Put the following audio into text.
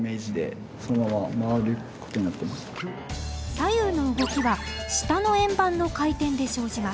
左右の動きは下の円盤の回転で生じます。